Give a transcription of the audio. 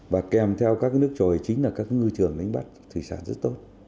và kèm theo các nước trồi chính là các ngư trường đánh bắt thủy sản rất tốt